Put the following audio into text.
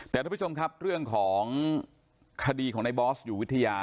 แต่ท่านผู้ชมครับเรื่องของคดีของในบอสอยู่วิทยา